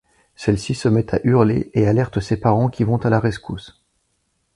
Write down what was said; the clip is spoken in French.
Celle-ci se met à hurler et alerte ses parents qui vont à la rescousse.